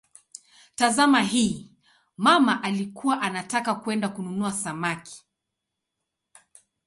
Tazama hii: "mama alikuwa anataka kwenda kununua samaki".